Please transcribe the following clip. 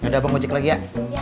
yaudah bang aku cek lagi ya